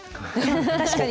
確かに。